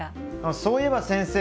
そういえば先生